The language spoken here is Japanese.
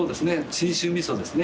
信州みそですね。